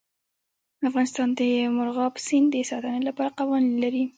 افغانستان د مورغاب سیند د ساتنې لپاره قوانین لري.